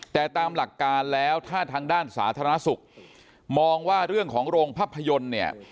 แต่ตามหลักการแล้วถ้าทางด้านสาธารณสุขมองว่าเรื่องของโรงภาพยนตร์เนี่ย